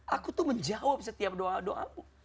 aku tuh menjawab setiap doa doamu